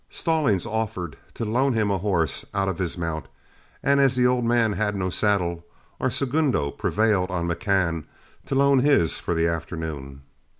Stallings offered to loan him a horse out of his mount, and as the old man had no saddle, our segundo prevailed on McCann to loan his for the afternoon.